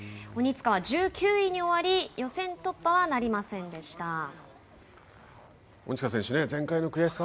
鬼塚は１９位に終わり予選突破はなりませんでした。